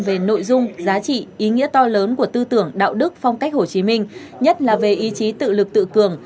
về nội dung giá trị ý nghĩa to lớn của tư tưởng đạo đức phong cách hồ chí minh nhất là về ý chí tự lực tự cường